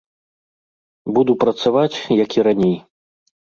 Буду працаваць, як і раней.